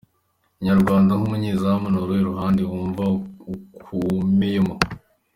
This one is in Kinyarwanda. Inyarwanda: Nk’umunyezamu, ni uruhe ruhande wumva ukomeyemo ?.